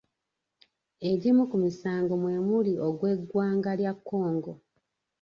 Egimu ku misango mwe muli ogw’eggwanga lya Congo.